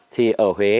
thì ở huế